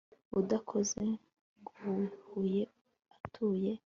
udakoze ngo wiyuhe akuye